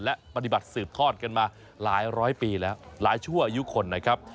และปฏิบัติสืบทอดกันมาหลายร้อยปีแล้วหลายชั่วอายุคนนะครับ